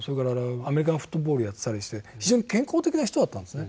アメリカンフットボールやってたりして非常に健康的な人だったんですね。